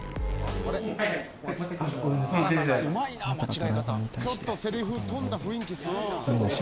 ちょっとセリフ飛んだ雰囲気すごいな。